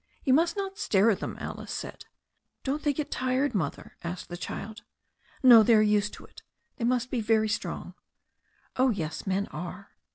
"You must not stare at them," Alice said. "Don't they get tired, mother?" asked the child. "No, they are used to it." "They must be very strong." "Oh, yes, men are."